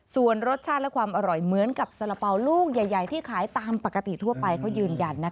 ส่วนรสชาติและความอร่อยเหมือนกับสาระเป๋าลูกใหญ่ที่ขายตามปกติทั่วไปเขายืนยัน